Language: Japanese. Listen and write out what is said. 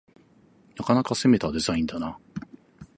なかなか攻めたデザインだな